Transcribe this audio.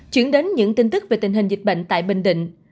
chuyển đến những tin tức về tình hình dịch bệnh tại bình định